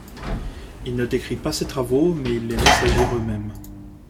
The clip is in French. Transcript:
Il ne décrit pas ses travaux, mais il les laisse agir eux-mêmes.